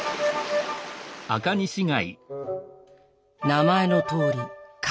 名前のとおり貝。